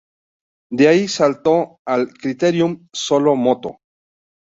De ahí saltó al Criterium Solo Moto.